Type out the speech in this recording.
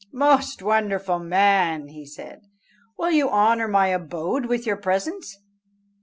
"Most wonderful man," he said, "will you honour my abode with your presence?